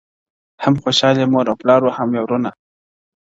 هم خوشال یې مور او پلار وه هم یې وړونه,